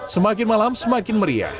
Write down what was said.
semakin malam semakin meriah